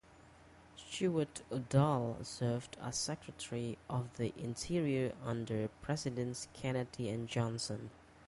Stewart Udall served as Secretary of the Interior under Presidents Kennedy and Johnson.